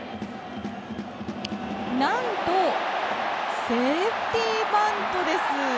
何とセーフティーバントです。